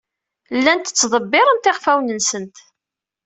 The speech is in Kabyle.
Llan ttḍebbiren iɣfawen-nsen.